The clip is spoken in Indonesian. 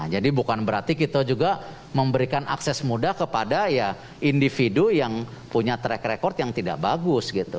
jadi bukan berarti kita juga memberikan akses mudah kepada individu yang punya track record yang tidak bagus